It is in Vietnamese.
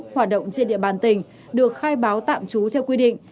hoạt động trên địa bàn tỉnh được khai báo tạm trú theo quy định